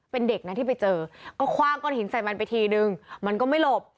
เป็นเด็กนะที่ไปเจอก็คว่างก้อนหินใส่มันไปทีนึงมันก็ไม่หลบ